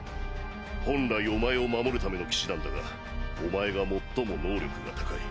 本来お前を守るための騎士団だがお前が最も能力が高い。